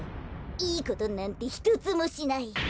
いいことなんてひとつもしない。